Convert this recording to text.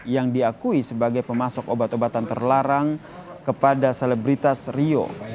yang diakui sebagai pemasok obat obatan terlarang kepada selebritas rio